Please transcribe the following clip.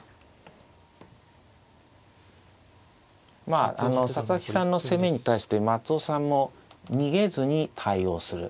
まあ佐々木さんの攻めに対して松尾さんも逃げずに対応する。